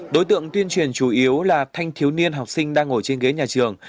đối tượng tuyên truyền chủ yếu là thanh thiếu niên học sinh đang ngồi trên ghế nhà trường